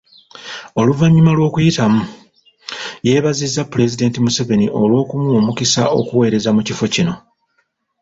Oluvannyuma lw’okuyitamu, yeebazizza Pulezidenti Museveni olw’okumuwa omukisa okuweereza mu kifo kino.